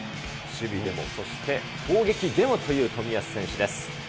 守備でも、そして攻撃でもという冨安選手です。